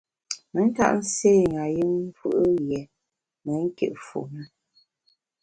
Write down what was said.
Me ntap nségha yùm fù’ yié me nkit fu ne.